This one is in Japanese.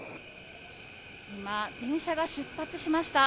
今、電車が出発しました。